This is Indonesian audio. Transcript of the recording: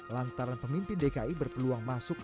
lantaran pemimpin dki berpeluang masuk